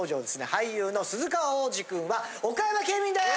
俳優の鈴鹿央士君は岡山県民です！